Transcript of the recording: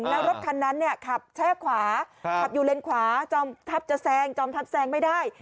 แล้วรถคันนั้นขับแช่ขวาขับอยู่เลนขวาจอมทัพจะแซงจอมทัพแซงไม่ได้